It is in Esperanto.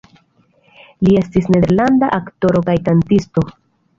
Li estis nederlanda aktoro kaj kantisto.